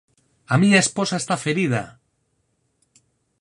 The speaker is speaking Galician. A miña esposa está ferida!